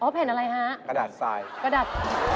แผ่นอะไรฮะกระดาษทรายกระดาษ